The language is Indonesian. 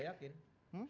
saya tidak yakin